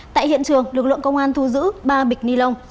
tại hiện trường lực lượng công an thu giữ ba bịch ni lông